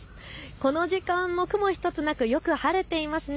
この時間も雲１つなくよく晴れています。